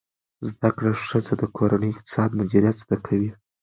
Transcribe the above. زده کړه ښځه د کورني اقتصاد مدیریت زده کوي.